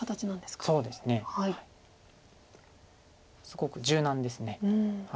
すごく柔軟です。